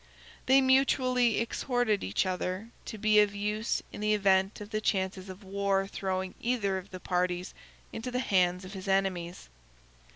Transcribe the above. They mutually exhorted each other to be of use in the event of the chances of war throwing either of the parties into the hands of his enemies.